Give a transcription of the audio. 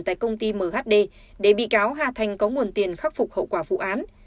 tại công ty mhd để bị cáo hà thành có nguồn tiền khắc phục hậu quả vụ án